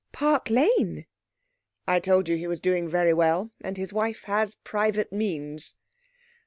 Park Lane?' 'I told you he was doing very well, and his wife has private means.'